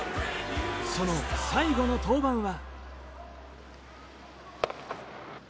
その最後の登板は。